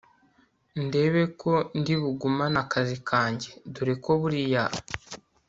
ndebe ko ndibugumane akazi kajye dore ko buriya